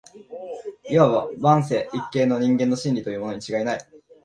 謂わば万世一系の人間の「真理」とかいうものに違いない